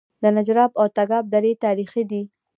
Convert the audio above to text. د نجراب او تګاب درې تاریخي دي